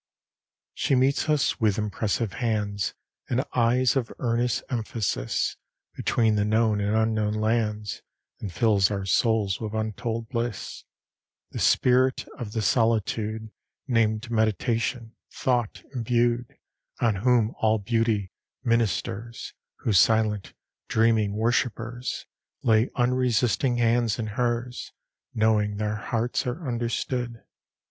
LVII She meets us with impressive hands And eyes of earnest emphasis Between the known and unknown lands, And fills our souls with untold bliss, This spirit of the solitude Named Meditation; thought imbued, On whom all beauty ministers; Whose silent, dreaming worshipers Lay unresisting hands in hers, Knowing their hearts are understood.